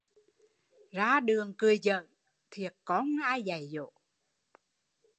Ra đường cười giỡn, thiệt con không ai dạy dỗ